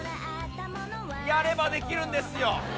やればできるんですよ。